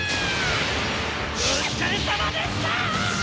お疲れさまでした！